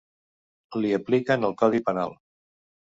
Li apliquen el codi penal.